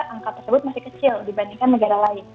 angka tersebut masih kecil dibandingkan negara lain